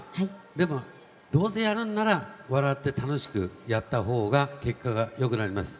でも、どうせやるんなら笑って楽しくやった方が結果がよくなります。